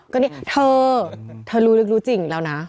ก็นี่เธอเธอรู้ลึกรู้จริงแล้วนะ